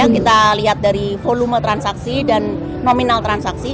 kita lihat dari volume transaksi dan nominal transaksi